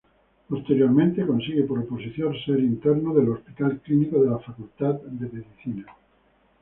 Posteriormente, consigue por oposición ser interno del Hospital Clínico de la Facultad de Medicina.